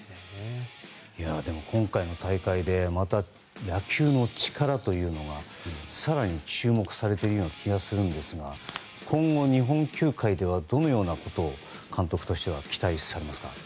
今回の大会でまた野球の力というのが更に注目されている気がするんですが今後の日本球界ではどのようなことを監督として期待されますか？